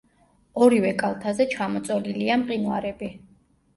ორივე კალთაზე ჩამოწოლილია მყინვარები.